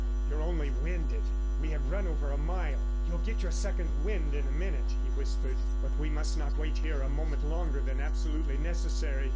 "You're only winded; we have run over a mile; you'll get your second wind in a minute," he whispered. "But we must not wait here a moment longer than absolutely necessary.